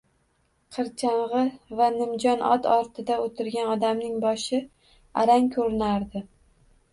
Qirchang`i va nimjon ot ortida o`tirgan odamning boshi arang ko`rinardi